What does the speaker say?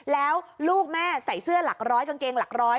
แล้วลูกแม่ใส่เสื้อหลักร้อยกางเกงหลักร้อย